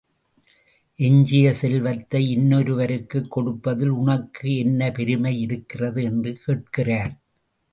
எஞ்சிய செல்வத்தை இன்னொரு வருக்குக் கொடுப்பதில் உனக்கு என்ன பெருமை இருக்கிறது? என்று கேட்கிறார்.